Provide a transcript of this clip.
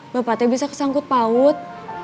bapaknya bisa kesangkut paut